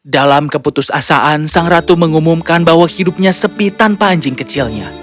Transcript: dalam keputusasaan sang ratu mengumumkan bahwa hidupnya sepi tanpa anjing kecilnya